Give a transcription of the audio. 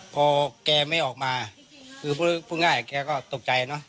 พอแกไม่ออกมาคือพูดง่ายแกก็ตกใจเนอะ